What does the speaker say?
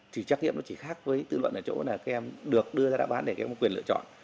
thì trách nhiệm nó chỉ khác với tư luận ở chỗ là các em được đưa ra đáp án để các em có quyền lựa chọn